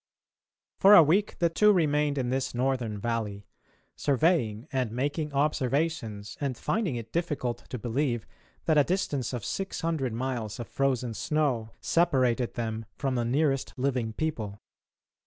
For a week the two remained in this northern valley, surveying and making observations and finding it difficult to believe that a distance of 600 miles of frozen snow separated them from the nearest living people.